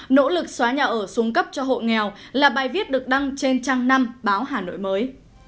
nỗ lực xóa nhà ở xuống cấp cho hộ nghèo là bài viết được đăng trên trang năm báo hà nội mới